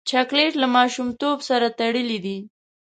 چاکلېټ له ماشومتوب سره تړلی دی.